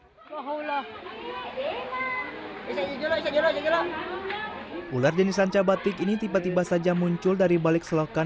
hai allah allah ular jenis anca batik ini tiba tiba saja muncul dari balik selokan